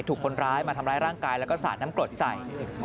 ถูกคนร้ายมาทำร้ายร่างกายแล้วก็สาดน้ำกรดใส่